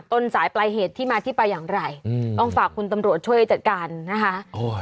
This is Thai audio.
ต้นสายปลายเหตุที่มาที่ไปอย่างไรต้องฝากคุณตำรวจช่วยจัดการนะคะ